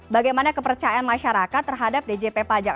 bagaimana kepercayaan masyarakat terhadap djp pajak